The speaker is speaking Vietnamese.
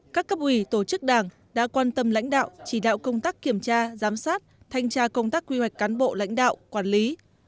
các cấp ủy tổ chức đảng đã quan tâm lãnh đạo chỉ đạo công tác kiểm tra giám sát thanh tra công tác quy hoạch cán bộ lãnh đạo quản lý